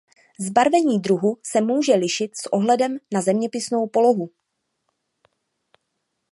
Zbarvení druhu se může lišit s ohledem na zeměpisnou polohu.